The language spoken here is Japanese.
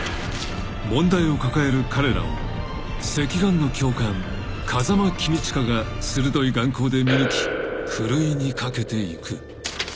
［問題を抱える彼らを隻眼の教官風間公親が鋭い眼光で見抜きふるいにかけていく］